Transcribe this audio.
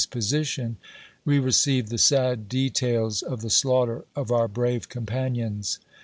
s position, we received the sad details of the slaughter ,of our brave compan ions.